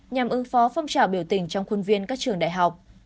nhằm ứng phó phong trào biểu tình trong khuôn viên các trường đại học